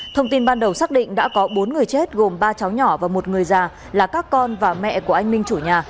thông tin ban đầu xác định đã có bốn người chết gồm ba cháu nhỏ và một người già là các con và mẹ của anh minh chủ nhà